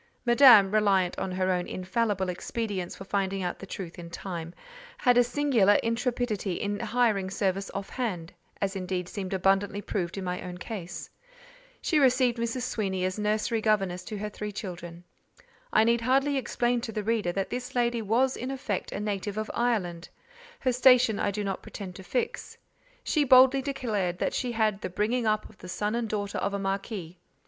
Madame—reliant on her own infallible expedients for finding out the truth in time—had a singular intrepidity in hiring service off hand (as indeed seemed abundantly proved in my own case). She received Mrs. Sweeny as nursery governess to her three children. I need hardly explain to the reader that this lady was in effect a native of Ireland; her station I do not pretend to fix: she boldly declared that she had "had the bringing up of the son and daughter of a marquis."